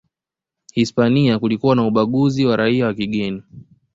Hispania kulikuwa na ubaguzi wa raia wa kigeni